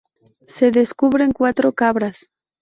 Se descubren cuatro cabras.